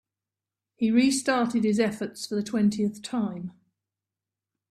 He restarted his efforts for the twentieth time.